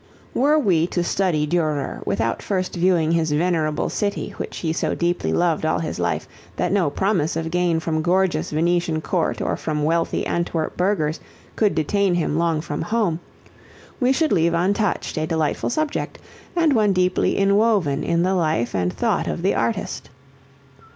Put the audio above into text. Were we to study Durer without first viewing his venerable city which he so deeply loved all his life that no promise of gain from gorgeous Venetian court or from wealthy Antwerp burgers could detain him long from home, we should leave untouched a delightful subject and one deeply inwoven in the life and thought of the artist.